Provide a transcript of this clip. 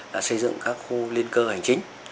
là xây dựng các khu liên cơ hành chính